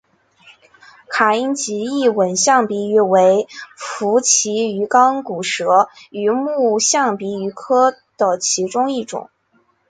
卡因吉异吻象鼻鱼为辐鳍鱼纲骨舌鱼目象鼻鱼科的其中一种。